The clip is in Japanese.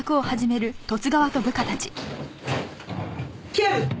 警部！